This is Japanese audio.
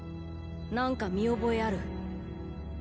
なんか見覚えある。